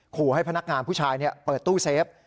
ขู่ให้พนักงานผู้ชายเปิดตู้เซฟ